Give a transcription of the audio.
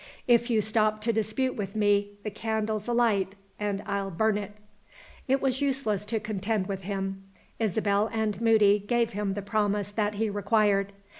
If you stop to dispute with me, the candle's alight, and I'll burn it!" It was useless to contend with him. Isabel and Moody gave him the promise that he required.